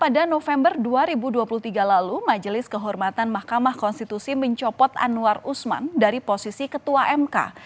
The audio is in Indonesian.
pada november dua ribu dua puluh tiga lalu majelis kehormatan mahkamah konstitusi mencopot anwar usman dari posisi ketua mk